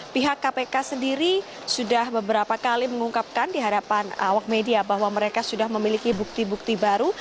pihak kpk sendiri sudah beberapa kali mengungkapkan di hadapan awak media bahwa mereka sudah memiliki bukti bukti baru